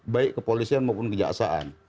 baik kepolisian maupun kejaksaan